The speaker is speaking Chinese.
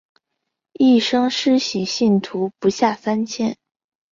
一生施洗信徒不下三千。